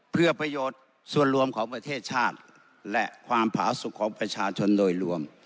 เพื่อประโยชน์ส่วนรวมของประเทศชาติและความผาสุขของประชาชนโดยรวม